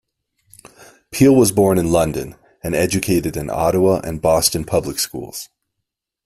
Peel was born in London and educated in Ottawa and Boston public schools.